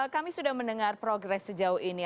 kami sudah mendengar progres sejauh ini